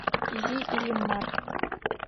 Изи Иллимар